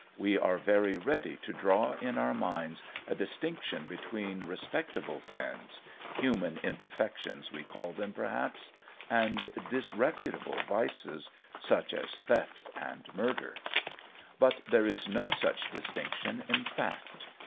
We are very ready to draw in our minds a distinction between respectable sins human imperfections we call them, perhaps and disreputable vices, such as theft and murder; but there is no such distinction in fact.